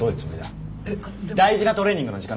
大事なトレーニングの時間なんだ。